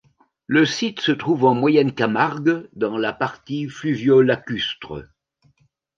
Le site se trouve en moyenne Camargue dans la partie fluvio-lacustre.